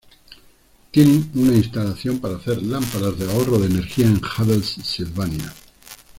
Tienen tiene una instalación para hacer lámparas de ahorro de energía de Havells-Sylvania.